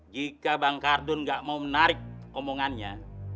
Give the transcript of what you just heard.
jika bang kardun tidak mau menarik omongannya